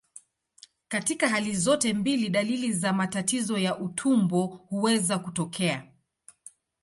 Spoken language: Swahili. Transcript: Katika hali zote mbili, dalili za matatizo ya utumbo huweza kutokea.